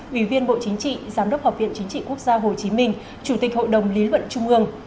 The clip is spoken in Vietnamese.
ủy viên bộ chính trị giám đốc học viện chính trị quốc gia hồ chí minh chủ tịch hội đồng lý luận trung ương